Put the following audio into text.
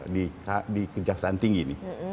di kerjaksaan tinggi nih